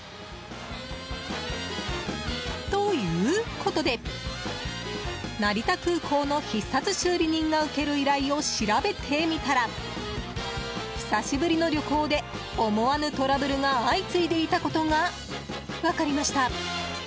ということで成田空港の必殺修理人が受ける依頼を調べてみたら久しぶりの旅行で思わぬトラブルが相次いでいたことが分かりました。